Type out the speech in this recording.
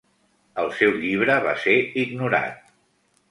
El seu llibre va ser ignorat.